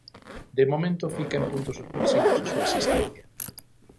De momento fica en puntos suspensivos a súa existencia.